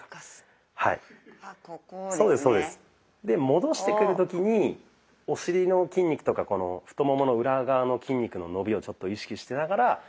で戻してくる時にお尻の筋肉とかこの太ももの裏側の筋肉の伸びを意識しながら。